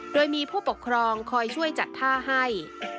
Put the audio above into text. โดยมีผู้ปกครองคอยช่วยจัดท่าให้